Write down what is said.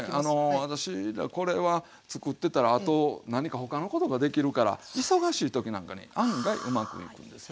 私これはつくってたらあと何か他のことができるから忙しい時なんかに案外うまくいくんですよ。